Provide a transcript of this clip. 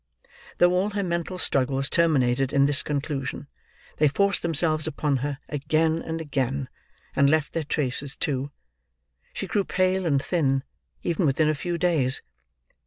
Though all her mental struggles terminated in this conclusion, they forced themselves upon her, again and again, and left their traces too. She grew pale and thin, even within a few days.